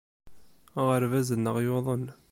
Aɣerbaz-nneɣ yuḍen.